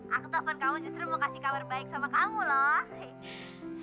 aku telepon kamu justru mau kasih kabar baik sama kamu loh